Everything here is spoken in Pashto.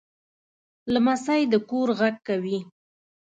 لمسی د کور غږ وي.